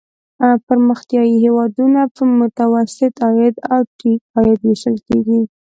پرمختیايي هېوادونه په متوسط عاید او ټیټ عاید ویشل کیږي.